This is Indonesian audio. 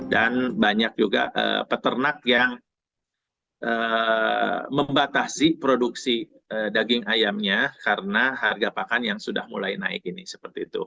dan banyak juga peternak yang membatasi produksi daging ayamnya karena harga pakan yang sudah mulai naik ini seperti itu